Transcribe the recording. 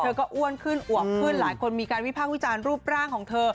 ก็อ้วนขึ้นอวบขึ้นหลายคนมีการวิพากษ์วิจารณ์รูปร่างของเธอ